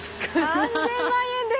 ３，０００万円です！